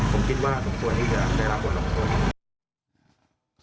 ผมคิดว่าส่วนนี้คือได้รับผลลงโทษ